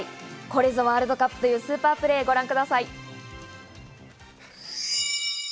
これぞワールドカップというスーパープレーをご覧ください。